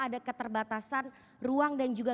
ada keterbatasan ruang dan juga